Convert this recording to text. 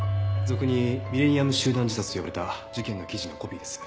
俗に「ミレニアム集団自殺」と呼ばれた事件の記事のコピーです。